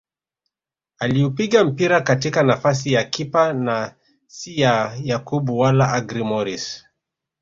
Aliupiga mpira katika nafasi ya kipa na si ya Yakub wala Agrey Moris